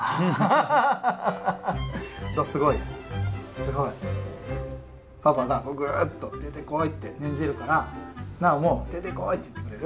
すごい？パパがぐっと出てこいって念じるから尚も「出てこい」って言ってくれる？